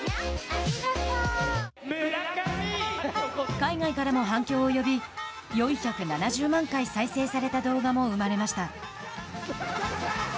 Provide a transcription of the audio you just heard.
海外からも反響を呼び４７０万回再生された動画も生まれました。